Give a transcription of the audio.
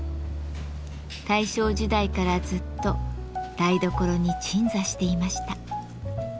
大正時代からずっと台所に鎮座していました。